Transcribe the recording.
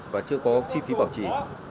và chưa có chi phí bảo trì